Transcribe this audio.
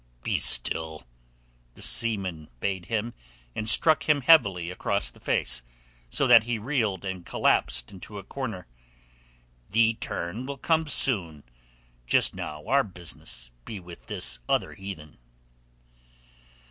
"Be still," the seaman bade him, and struck him heavily across the face, so that he reeled and collapsed into a corner. "Thee turn will come soon. Just now our business be with this other heathen."